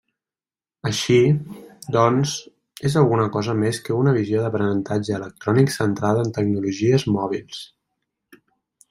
Així, doncs, és alguna cosa més que una visió d'aprenentatge electrònic centrada en tecnologies mòbils.